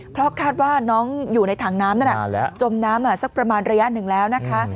เพราะคาดว่าน้องอยู่ในถังน้ำนั่นจมน้ำสักประมาณระยะหนึ่งแล้วนะคะ